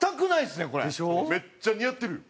めっちゃ似合ってるよ。